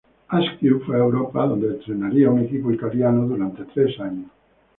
Askew fue a Europa donde entrenaría un equipo italiano durante tres años.